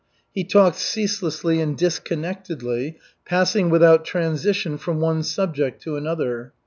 He talked ceaselessly and disconnectedly, passing without transition from one subject to another.